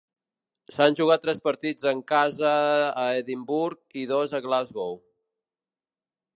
S'han jugat tres partits en casa a Edimburg i dos a Glasgow.